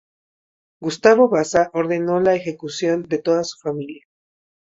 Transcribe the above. Gustavo Vasa ordenó la ejecución de toda su familia.